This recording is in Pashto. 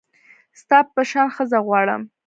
ستا په شان ښځه غواړم